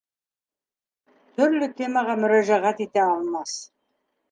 Төрлө темаға мөрәжәғәт итә Алмас.